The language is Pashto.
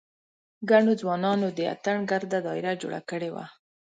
ګڼو ځوانانو د اتڼ ګرده داېره جوړه کړې وه.